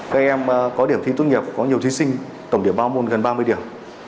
các em có điểm thi thuất nghiệp có nhiều thí sinh tổng điểm bao môn gần ba mươi điểm